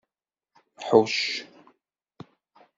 Ḥucc.